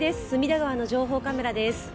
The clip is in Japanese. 隅田川の情報カメラです。